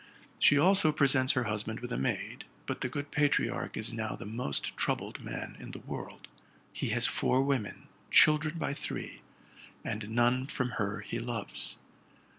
She also presents her husband with a maid, but the good patriarch is now the most troubled man in the world. He has four women, children by three, and none from her he loves.